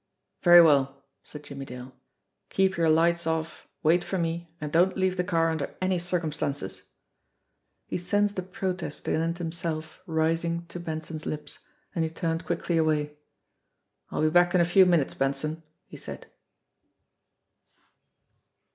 "Very well!" said Jimmie Dale. "Keep your lights off, wait for me, and don't leave the car under any circum stances." He sensed a protest anent himself rising to Ben son's lips, and he turned quickly away. "I'll be back in a few minutes, Benson," he said.